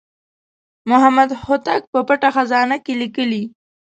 محمد هوتک په پټه خزانه کې لیکلي.